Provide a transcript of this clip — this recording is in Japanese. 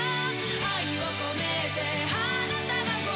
愛をこめて花束を